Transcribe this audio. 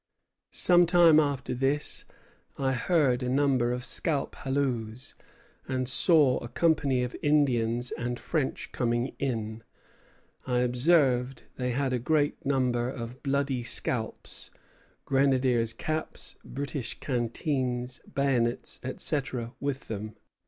Some time after this, I heard a number of scalp halloos, and saw a company of Indians and French coming in. I observed they had a great number of bloody scalps, grenadiers' caps, British canteens, bayonets, etc., with them.